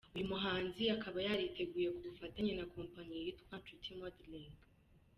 Uyu muhanzi akaba yaragiteguye ku bufatanye na kompanyi yitwa Nshuti modeling.